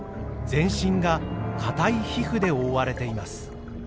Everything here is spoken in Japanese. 全身が硬い皮膚で覆われています。